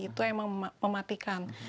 itu memang mematikan